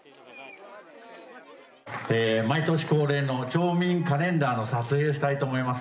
毎年恒例の町民カレンダーの撮影をしたいと思います。